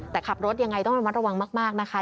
แต่ขับรถยังไงต้องระมัดระวังมากนะคะ